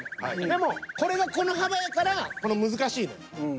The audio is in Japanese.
でもこれがこの幅やから難しいのよ。